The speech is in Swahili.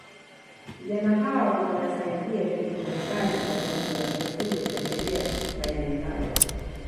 Vijana hawa wanawasaidia shughuli mbalimbali watalii wanapokuja kutembelea maeneo hayo